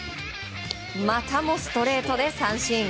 またもストレートで三振。